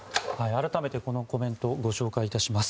改めて、このコメントをご紹介いたします。